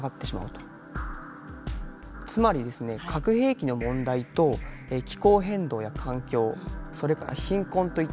つまりですね核兵器の問題と気候変動や環境それから貧困といった問題